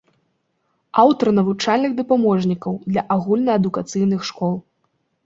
Аўтар навучальных дапаможнікаў для агульнаадукацыйных школ.